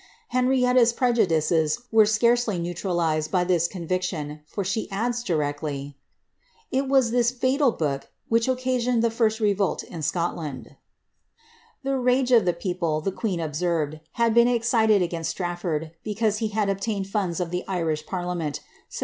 Hen fietta^B prejudices were scarcely neutralized by this conviction, for she Su'ds directly, ^^ it was this fatal book which occasioned ilic first revolt in Sf oiland." The rage of the people, the queen observed, had been excited against StnitTord because he had obtained funds of the Irish parliament, sufficient * Grander, vol. ii. p. lUO '^.